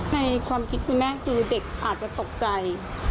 ในความคิดคุณแม่คือเด็กอาจจะตกใจ